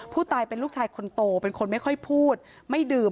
ผู้ตายเป็นลูกชายคนโตเป็นคนไม่ค่อยพูดไม่ดื่ม